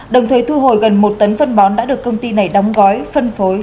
đồng thời thu hồi gần một tấn phân bón đã được công ty này đóng gói phân phối